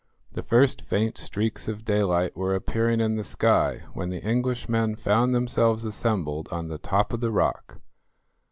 The first faint streaks of daylight were appearing in the sky when the Englishmen found themselves assembled on the top of the rock.